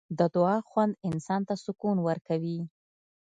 د دعا خوند انسان ته سکون ورکوي.